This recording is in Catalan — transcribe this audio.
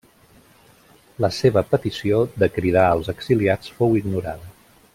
La seva petició de cridar als exiliats fou ignorada.